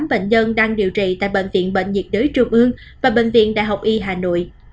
ba ba trăm ba mươi tám bệnh nhân đang điều trị tại bệnh viện bệnh nhiệt đới trung ương và bệnh viện đại học y hà nội